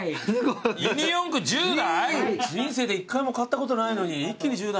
人生で１回も買ったことないのに一気に１０台。